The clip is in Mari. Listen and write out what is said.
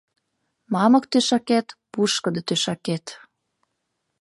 Мамык тӧшакет — пушкыдо тӧшакет